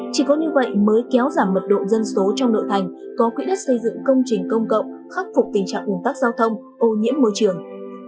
chỉ có như vậy mới kéo giảm mật độ dân số trong nội thành có quỹ đất xây dựng công trình công cộng khắc phục tình trạng ủn tắc giao thông ô nhiễm môi trường